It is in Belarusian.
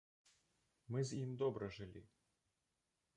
Мы з ім добра жылі.